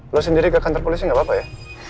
lo sendiri ke kantor polisi nggak apa apa ya